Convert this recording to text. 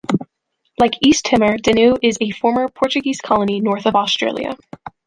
Like East Timor, Danu is a former Portuguese colony north of Australia.